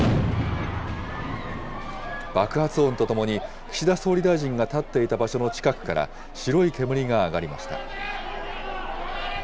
爆発音とともに、岸田総理大臣が立っていた場所の近くから白い煙が上がりました。